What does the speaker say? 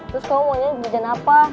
terus kamu mau jualan apa